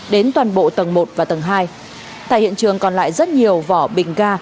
đến toàn bộ tầng một và tầng hai tại hiện trường còn lại rất nhiều vỏ bình ga